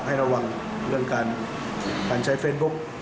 ให้ระวังเรื่องการใช้เฟซบุ๊ก